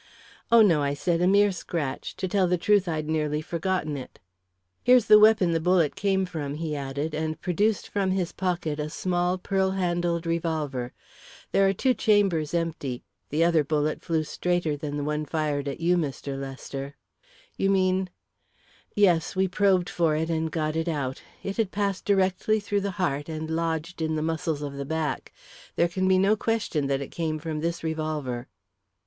"Oh, no," I said; "a mere scratch. To tell the truth, I'd nearly forgotten it." "Here's the weapon the bullet came from," he added, and produced from his pocket a small, pearl handled revolver. "There are two chambers empty. The other bullet flew straighter than the one fired at you, Mr. Lester." "You mean " "Yes, we probed for it and got it out. It had passed directly through the heart, and lodged in the muscles of the back. There can be no question that it came from this revolver."